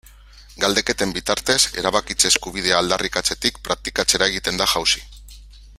Galdeketen bitartez, erabakitze eskubidea aldarrikatzetik praktikatzera egiten da jauzi.